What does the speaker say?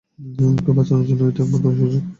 ওকে বাঁচানোর এটাই একমাত্র সুযোগ!